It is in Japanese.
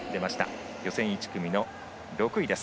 予選１組の６位です。